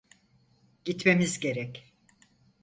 Gitmemiz gerek.